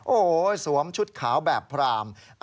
โอ้โหสวมชุดขาวแบบพราม